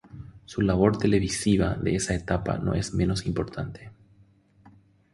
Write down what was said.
Su labor televisiva de esa etapa no es menos importante.